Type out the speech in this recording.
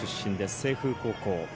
清風高校。